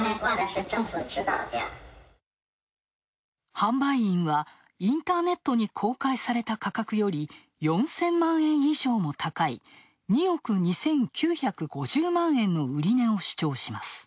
販売員はインターネットに公開された価格より、４０００万円以上も高い２億２９５０万円の売り値を主張します。